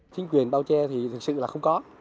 chính quyền bao che thì thực sự là không có